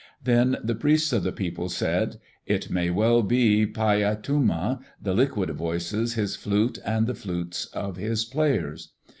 Then the priests of the people said, "It may well be Paiyatuma, the liquid voices his flute and the flutes of his players."